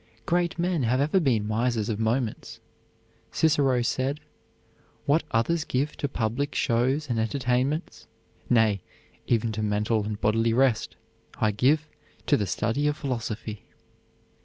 Great men have ever been misers of moments. Cicero said: "What others give to public shows and entertainments, nay, even to mental and bodily rest, I give to the study of philosophy."